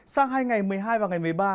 sang hai ngày một mươi hai và ngày một mươi ba